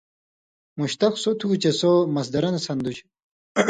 مشتق سو تُھو چے سو مصدرہ نہ سندُژ